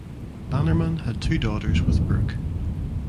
Bannerman had two daughters with Brooke.